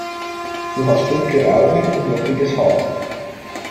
Du hast dunkle Augen und lockiges Haar.